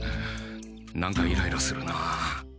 何かイライラするな。